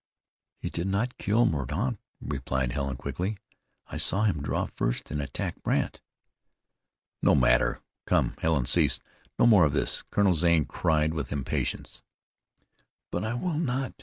"He did not kill Mordaunt," replied Helen quickly. "I saw him draw first and attack Brandt." "No matter. Come, Helen, cease. No more of this," Colonel Zane cried with impatience. "But I will not!"